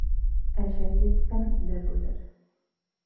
Әжәл еткән бер үлер